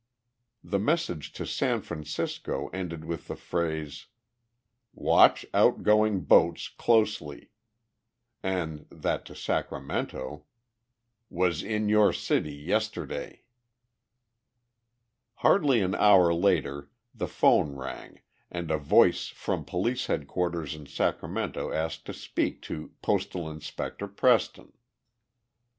The message to San Francisco ended with the phrase "Watch outgoing boats closely," and that to Sacramento "Was in your city yesterday." Hardly an hour later the phone rang and a voice from police headquarters in Sacramento asked to speak to "Postal Inspector Preston."